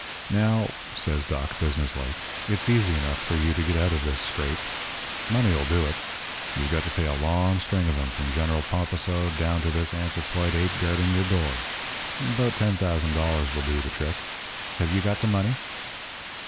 "'Now,' says Doc, business like, 'it's easy enough for you to get out of this scrape. Money'll do it. You've got to pay a long string of 'em from General Pomposo down to this anthropoid ape guarding your door. About $10,000 will do the trick. Have you got the money?'